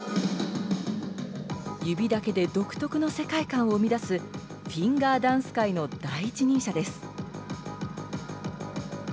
指だけで独特の世界観を生み出す、フィンガーダンス界の第一人者です。